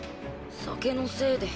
酒のせいで。